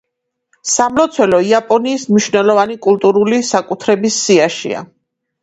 სამლოცველო იაპონიის მნიშვნელოვანი კულტურული საკუთრების სიაშია.